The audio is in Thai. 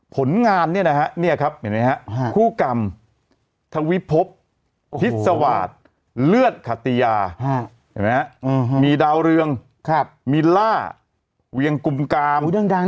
ผลงานนี่นะฮะคู่กรรมทวิภพพิษวาสเลือดขติยามีดาวเรืองมีล่าเวียงกุมกาม